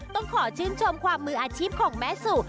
ต้องขอชื่นชมความมืออาชีพของแม่สู่